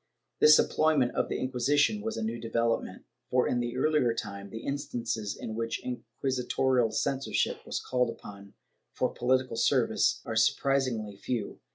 This employment of the Inquisition was a new development, for in the earlier time, the instances in which inquisitorial censorship was called upon for political service are surprisingly few.